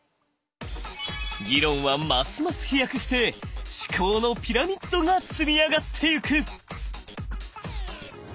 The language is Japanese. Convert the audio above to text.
議論はますます飛躍して思考のピラミッドが積み上がっていく！